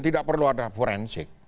tidak perlu ada forensik